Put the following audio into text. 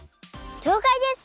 りょうかいです！